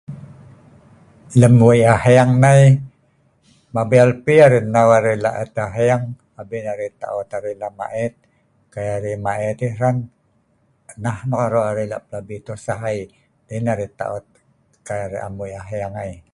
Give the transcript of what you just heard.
lem wei aheng nei mabel pi arai neu arai lak et aheng abin arai ta'ot arai lak maet kai arai maet yeh hren neh nok arok arai lak plabi tosah ai dei arai ta'ot kai arai am weik aheng ai